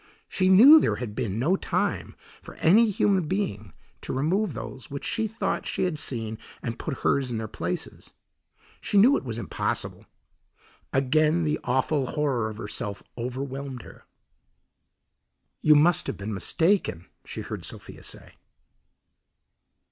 She knew there had been no time for any human being to remove those which she thought she had seen and put hers in their places. She knew it was impossible. Again the awful horror of herself overwhelmed her. "You must have been mistaken," she heard Sophia say.